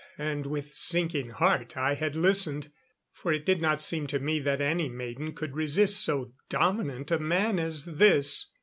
And with sinking heart I had listened, for it did not seem to me that any maiden could resist so dominant a man as this.